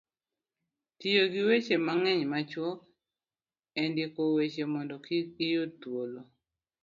tiyo gi weche mang'eny machuok e ndiko weche mondo kik giyud thuolo